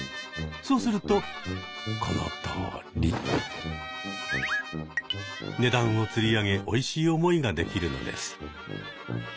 そうするとこのとおり。値段をつり上げおいしい思いができるのです。